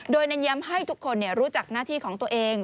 โดยแนะเงียมให้ทุกคนรู้จักหน้าของตัวเอง